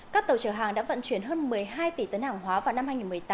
các tàu chở hàng đã vận chuyển hơn một mươi hai tỷ tấn hàng hóa vào năm hai nghìn một mươi tám